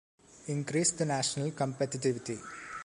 Increase the national competitivity.